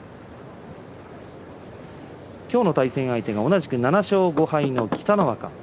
今日の対戦相手が同じく７勝５敗の北の若。